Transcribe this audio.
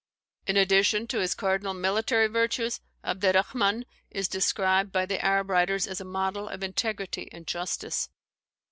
In addition to his cardinal military virtues, Abderrahman is described by the Arab writers as a model of integrity and justice.